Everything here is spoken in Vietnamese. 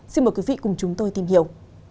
xin mời quý vị cùng chúng tôi tìm hiểu